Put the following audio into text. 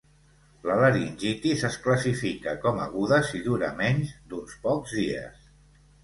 La laringitis es classifica com aguda si dura menys d'uns pocs dies.